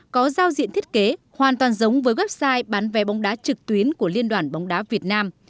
có giao diện thiết kế hoàn toàn giống với website bán vé bóng đá trực tuyến của liên đoàn bóng đá việt nam